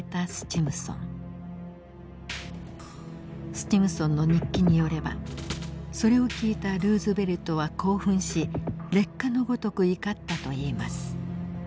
スチムソンの日記によればそれを聞いたルーズベルトは興奮し烈火のごとく怒ったといいます。